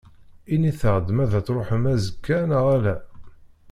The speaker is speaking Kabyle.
Init-aɣ-d ma ad d-truḥem azekka neɣ ala.